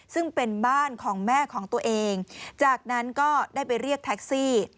ซึ่งเป็นบ้านของแม่ของตัวเองจากนั้นก็ได้ไปเรียกแท็กซี่